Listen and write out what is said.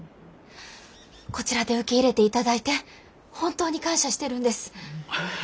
こちらで受け入れていただいて本当に感謝してるんです。